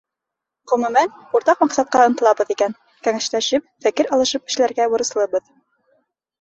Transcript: Ғөмүмән, уртаҡ маҡсатҡа ынтылабыҙ икән, кәңәшләшеп, фекер алышып эшләргә бурыслыбыҙ.